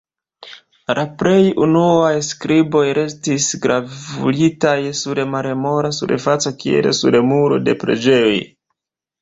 La plej unuaj skriboj restis gravuritaj sur malmola surfaco kiel sur muro de preĝejoj.